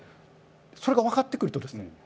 それが分かってくるとですね